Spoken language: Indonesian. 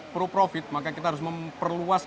pro profit maka kita harus memperluas